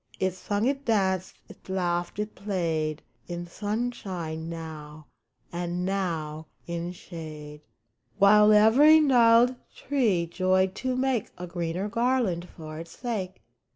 It sung, it danced, it laughed, it played, In sunshine now, and now in shade ; 176 UNANSWERED While every gnarled tree joyed to make A greener garland for its sake.